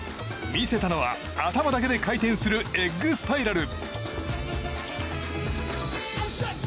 見せたのは、頭だけで回転するエッグスパイラル。